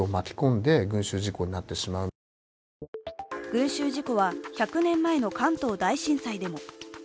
群集事故は、１００年前の関東大震災でも。